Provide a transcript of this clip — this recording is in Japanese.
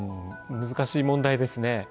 難しい問題ですね。